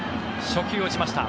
初球を打ちました。